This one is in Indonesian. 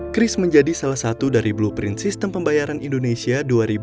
chris menjadi salah satu dari blueprint sistem pembayaran indonesia dua ribu dua puluh